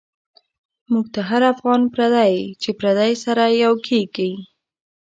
موږ ته هر افغان پردی، چی پردی سره یو کیږی